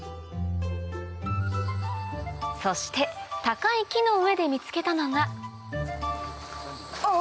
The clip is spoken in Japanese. そして高い木の上で見つけたのがあぁ！